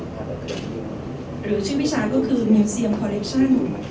หรือชื่อวิชาก็คือในเซียมคอเลคชั่น